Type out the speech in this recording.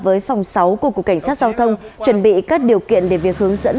với phòng sáu của cục cảnh sát giao thông chuẩn bị các điều kiện để việc hướng dẫn